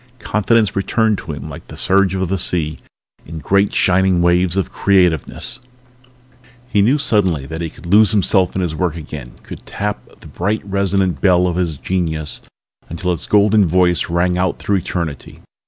Confidence returned to him like the surge of the sea in great shining waves of creativeness. He knew suddenly that he could lose himself in his work again, could tap the bright resonant bell of his genius until its golden voice rang out through eternity.